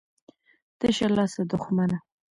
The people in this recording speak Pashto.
ـ تشه لاسه دښمنه.